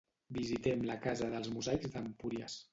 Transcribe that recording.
Visitem la Casa dels Mosaics d'Empúries.